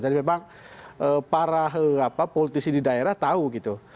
jadi memang para politisi di daerah tahu gitu